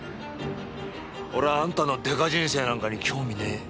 俺はあんたのデカ人生なんかに興味ねえ。